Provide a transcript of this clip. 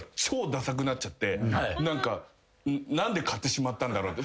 何で買ってしまったんだろうって。